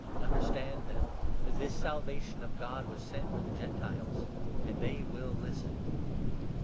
Understand, then, that this Salvation of God was sent for the 28 Gentiles ; and they will listen."